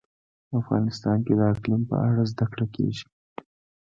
افغانستان کې د اقلیم په اړه زده کړه کېږي.